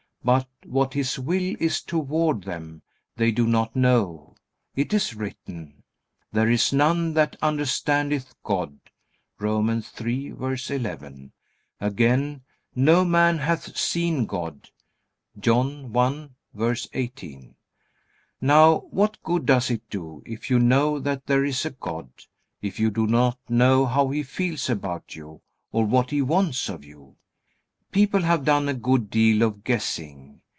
But what His will is toward them, they do not know. It is written: "There is none that understandeth God." (Romans 3:11.) Again, "No man hath seen God." (John 1:18.) Now, what good does it do you if you know that there is a God, if you do not know how He feels about you, or what He wants of you? People have done a good deal of guessing.